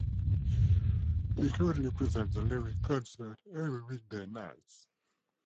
He currently presents "The Lyric Concert" every weekday nights.